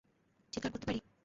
চিৎকার করতে পারি?